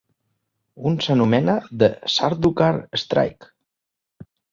Un s'anomena "The Sardaukar Strike!".